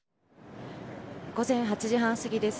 午前８時半すぎです。